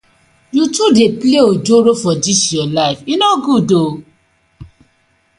Yu too dey play ojoro for dis yu life, e no good ooo.